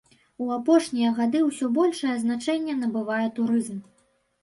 У апошнія гады ўсё большае значэнне набывае турызм.